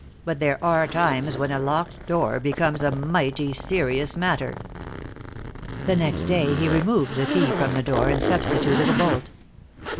But there are times when a locked door becomes a mighty serious matter." The next day he removed the key from the door, and substituted a bolt.